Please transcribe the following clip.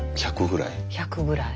１００ぐらい？